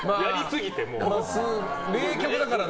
名曲だからね。